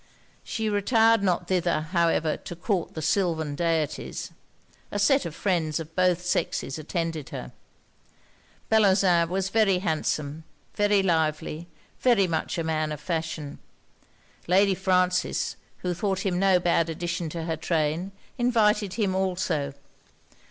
She retired not thither, however, to court the sylvan deities: a set of friends of both sexes attended her. Bellozane was very handsome, very lively, very much a man of fashion: Lady Frances, who thought him no bad addition to her train, invited him also.